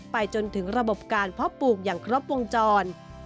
ไปจนถึงระบบการเพาะปลูกอย่างครบวงจร